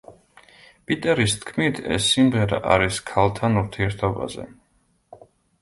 პიტერის თქმით ეს სიმღერა არის ქალთან ურთიერთობაზე.